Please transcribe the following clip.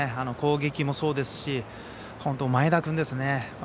攻撃もそうですし前田君ですね。